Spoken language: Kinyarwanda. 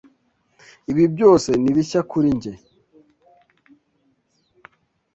Ibi byose ni bishya kuri njye.